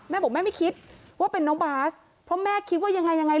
แม่บอกแม่ไม่คิดว่าเป็นน้องบาสเพราะแม่คิดว่ายังไงยังไง